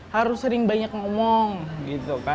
harus sering banyak ngomong